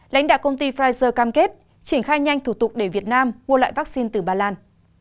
lãnh đạo công ty pfizer cam kết triển khai nhanh thủ tục để việt nam mua lại vaccine từ ba lan